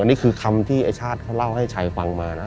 นี่คือคำที่ไอ้ชาติเขาเล่าให้ชัยฟังมานะ